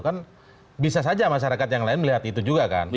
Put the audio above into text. kan bisa saja masyarakat yang lain melihat itu juga kan